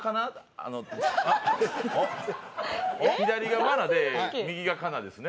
あの左がマナで右がカナですね